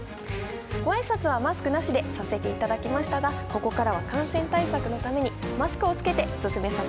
ご挨拶はマスクなしでさせていただきましたがここからは感染対策のためにマスクを着けて進めさせていただきます。